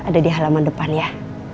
ada di halaman depan ya